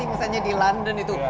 misalnya di london itu